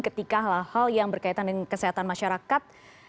ketika hal hal yang berkaitan dengan kesehatan masyarakat